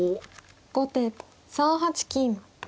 後手３八金。